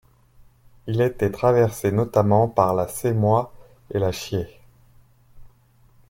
Il était traversé notamment par la Semois et la Chiers.